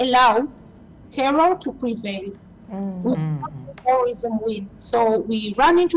พวกเขาออกมาไข้ไหวจรุง